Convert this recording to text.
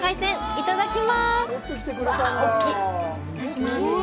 いただきます。